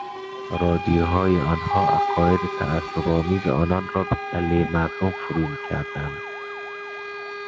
رادیوهای آنها عقاید تعصبآمیز آنان را به کلهی مردم فرو میکردند.